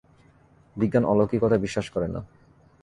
বিজ্ঞান অলৌকিকতায় বিশ্বাস করে না।